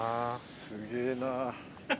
すげぇな。